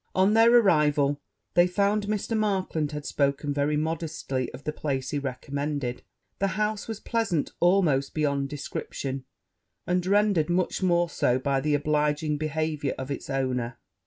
On their arrival, they found Mr. Markland had spoken very modestly of the place he recommended: the house was pleasant almost beyond description, and rendered much more so by the obliging behaviour of its owner.